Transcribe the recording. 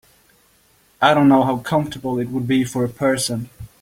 I don’t know how comfortable it would be for a person.